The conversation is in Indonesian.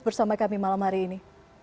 bersama kami malam hari ini